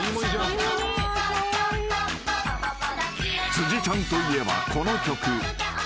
［辻ちゃんといえばこの曲］